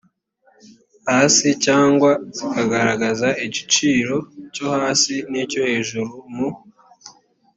hasi cyangwa zikagaragaza igiciro cyo hasi n icyo hejuru mu